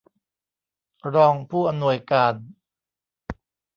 รองผู้อำนวยการ